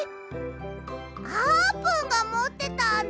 あーぷんがもってたんだ！